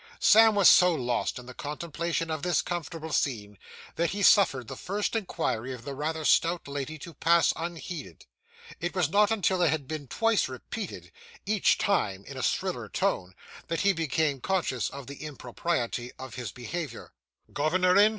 Sam was so lost in the contemplation of this comfortable scene, that he suffered the first inquiry of the rather stout lady to pass unheeded. It was not until it had been twice repeated, each time in a shriller tone, that he became conscious of the impropriety of his behaviour. 'Governor in?